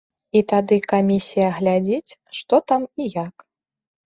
І тады камісія глядзіць, што там і як.